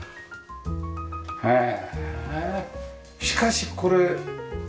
へえ。